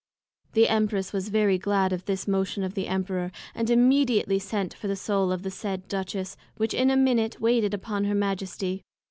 The Empress was very glad of this motion of the Emperor, and immediately sent for the Soul of the said Duchess, which in a minute waited on her Majesty.